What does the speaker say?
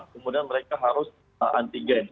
kemudian mereka harus antigen